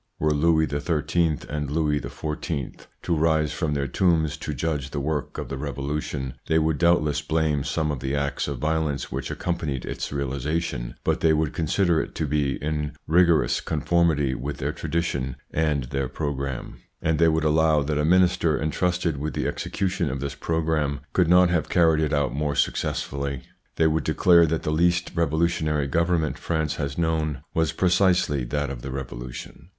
Were Louis XIII. and Louis XIV. to rise from their tombs to judge the work of the Revolution, they would doubtless blame some of the acts of violence which accompanied its realisation, but they would consider it to be in rigorous con formity with their tradition and their programme, and they would allow that a minister entrusted with the execution of this programme could not have carried it out more successfully. They would declare that the least revolutionary government France has known was precisely that of the Revolution.